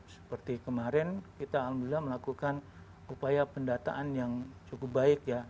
seperti kemarin kita alhamdulillah melakukan upaya pendataan yang cukup baik ya